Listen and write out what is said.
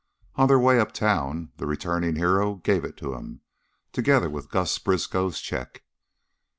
On their way uptown, the returning hero gave it to him, together with Gus Briskow's check.